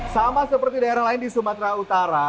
sama seperti daerah lain di sumatera utara